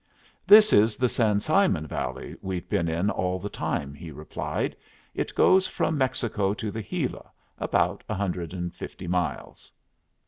"This is the San Simon Valley we've been in all the time," he replied. "It goes from Mexico to the Gila, about a hundred and fifty miles."